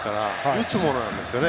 打つ者なんですよね。